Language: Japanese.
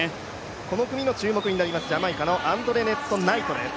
この組の注目になります、ジャマイカのアンドレネット・ナイトです。